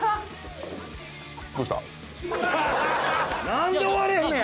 なんで終われへんねや！